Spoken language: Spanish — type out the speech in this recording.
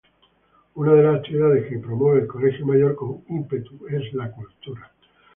Una de las actividades que promueve el Colegio Mayor con ímpetu es la cultura.